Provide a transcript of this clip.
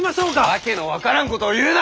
訳の分からんことを言うな！